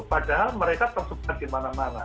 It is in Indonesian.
padahal mereka tersebut lagi mana mana